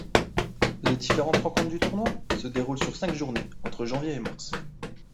Les différentes rencontres du tournoi se déroulent sur cinq journées entre janvier et mars.